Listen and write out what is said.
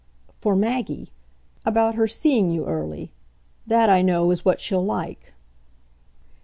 "For Maggie about her seeing you early. That, I know, is what she'll like."